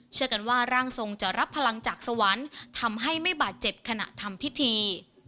เชื่อกันว่าร่างทรงจะรับพลังจากสวรรค์ทำให้ไม่บาดเจ็บขณะทำพิธี